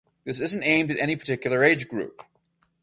This isn’t aimed at any particular age group.